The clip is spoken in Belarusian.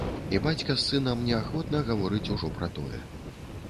І бацька з сынам неахвотна гаворыць ужо пра тое.